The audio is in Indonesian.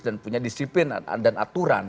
dan punya disipin dan aturan